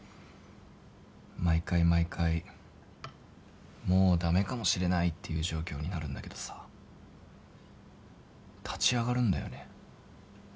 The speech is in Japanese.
毎回毎回もう駄目かもしれないっていう状況になるんだけどさ立ち上がるんだよね。